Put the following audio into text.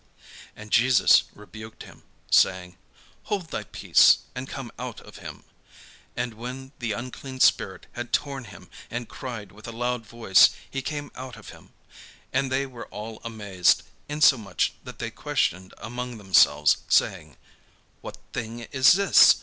And Jesus rebuked him, saying, "Hold thy peace, and come out of him." And when the unclean spirit had torn him, and cried with a loud voice, he came out of him. And they were all amazed, insomuch that they questioned among themselves, saying: "What thing is this?